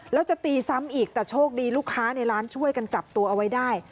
แล้วจะตีซ้ำอีกแต่โชคดีลูกค้าในร้านช่วยกันจับตัวเอาไว้ได้